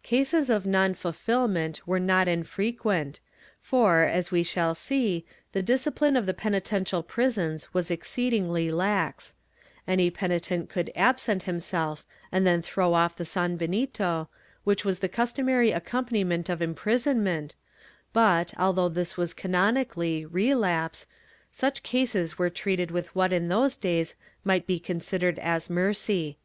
^ Cases of non fulfilment were not infrequent for, as we shall see, the discipline of the penitential prisons was exceedingly lax; any penitent could absent himself and then throw off the sanbenito, which was the customary accompaniment of imprisonment, but, although this was canonically relapse, such cases were treated with what in those days might be considered as mercy.